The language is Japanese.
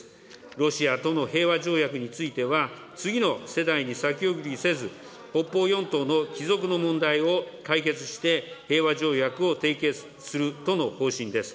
ロシアとの平和条約については、次の世代に先送りせず、北方四島の帰属の問題を解決して平和条約を締結するとの方針です。